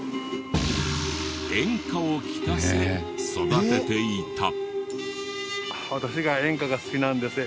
演歌を聞かせ育てていた。